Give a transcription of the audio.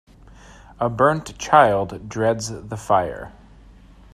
A burnt child dreads the fire.